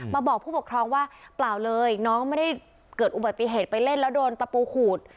บอกผู้ปกครองว่าเปล่าเลยน้องไม่ได้เกิดอุบัติเหตุไปเล่นแล้วโดนตะปูขูด